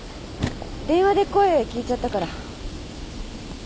電話で声聞いちゃったから。